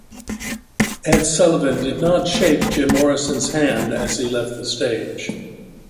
Ed Sullivan did not shake Jim Morrison's hand as he left the stage.